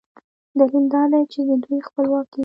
دلیل دا دی چې د دوی خپلواکي